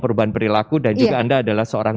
perubahan perilaku dan juga anda adalah seorang